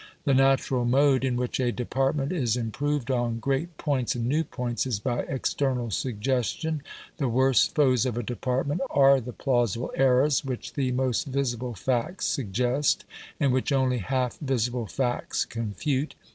The natural mode in which a department is improved on great points and new points is by external suggestion; the worse foes of a department are the plausible errors which the most visible facts suggest, and which only half visible facts confute.